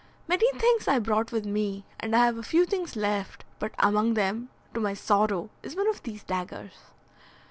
Many things I brought with me, and I have a few things left, but among them, to my sorrow, is one of these daggers."